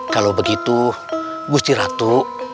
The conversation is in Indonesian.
kalau begitu gusti ratu